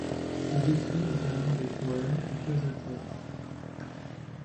Elle écrit également des poèmes et pièces de théâtre.